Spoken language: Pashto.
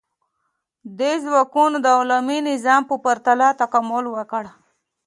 دې ځواکونو د غلامي نظام په پرتله تکامل وکړ.